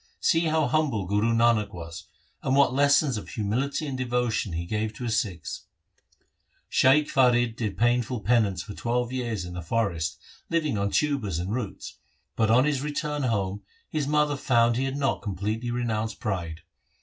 See how humble Guru Nanak was, and what lessons of humility and devotion he gave to his Sikhs. Shaikh Farid did painful penance for twelve years in the forest living on tubers and roots, but on his return home his mother found he had not completely renounced pride.